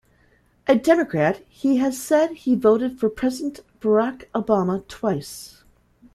A Democrat, he has said he voted for President Barack Obama twice.